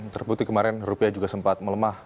terbukti kemarin rupiah juga sempat melemah